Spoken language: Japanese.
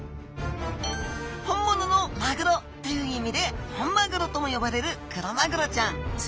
本物のマグロという意味で本まぐろとも呼ばれるクロマグロちゃん。